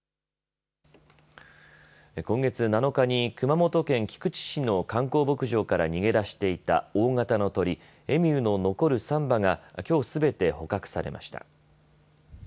今月７日に熊本県菊池市の観光牧場から逃げ出していた大形の鳥、エミューの残る３羽がきょうすべて捕獲されました。